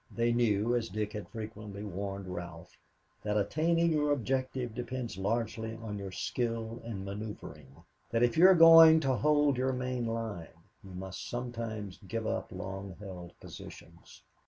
They knew, as Dick had frequently warned Ralph, that attaining your objective depends largely on your skill in maneuvering; that if you are going to hold your main line, you must sometimes give up long held positions.